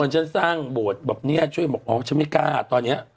วันฉันสร้างบวชแบบเนี้ยช่วยบอกอ๋อฉันไม่กล้าตอนเนี้ย